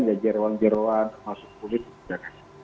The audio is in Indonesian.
ada jerawan jerawan masuk kulit tidak